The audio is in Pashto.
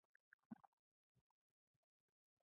لمر ته هره ورځ اړتیا ده.